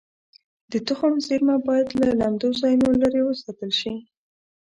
د تخم زېرمه باید له لمدو ځایونو لرې وساتل شي.